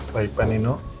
baik pak nino